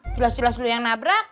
jelas jelas dulu yang nabrak